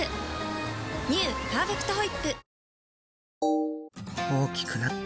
「パーフェクトホイップ」